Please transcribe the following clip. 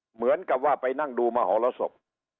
เหมือนกับว่าไปนั่งดูมหรสบ